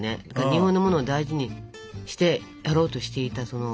日本のものを大事にしてやろうとしていたその。